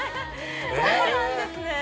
そうなんですねえ！